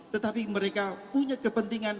jadi mereka punya kepentingan